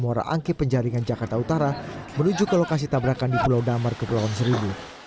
muara angke penjaringan jakarta utara menuju ke lokasi tabrakan di pulau damar kepulauan seribu